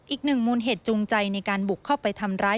อีกหนึ่งมูลเหตุจูงใจในการบุกเข้าไปทำร้าย